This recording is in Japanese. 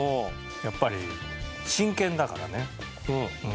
やっぱり真剣だからね。